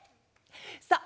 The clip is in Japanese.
さあ